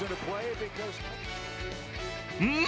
うん！？